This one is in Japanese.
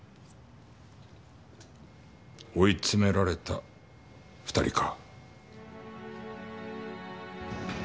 追い詰められた２人か。